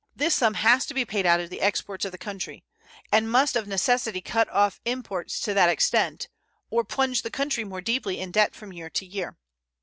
This sum has to be paid out of the exports of the country, and must of necessity cut off imports to that extent or plunge the country more deeply in debt from year to year.